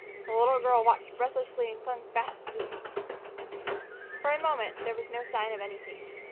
The little girl watched breathlessly and clung fast to the seat. For a moment there was no sign of anything.